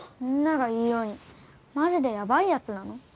みんなが言うようにマジでやばい奴なの？